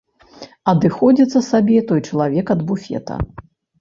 Адыходзіцца сабе той чалавек ад буфета.